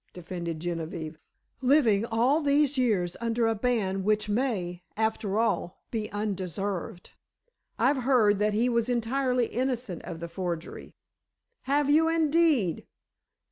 defended Genevieve; "living all these years under a ban which may, after all, be undeserved! I've heard that he was entirely innocent of the forgery!" "Have you, indeed?"